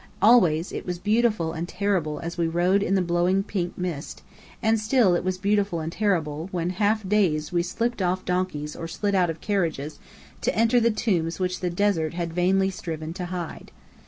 Always it was beautiful and terrible as we rode in the blowing pink mist: and still it was beautiful and terrible, when half dazed we slipped off donkeys or slid out of carriages, to enter the tombs which the desert had vainly striven to hide.